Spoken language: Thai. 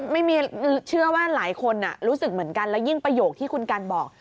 เชื่อว่าหลายคนรู้สึกเหมือนกันแล้วยิ่งประโยคที่คุณกันบอก